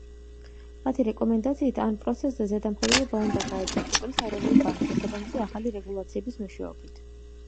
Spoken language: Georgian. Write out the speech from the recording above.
მათი რეკომენდაციით ამ პროცესზე ზედამხედველობა უნდა გაეწია ქვეყნის ეროვნულ ბანკს, შესაბამისი ახალი რეგულაციების მეშვეობით.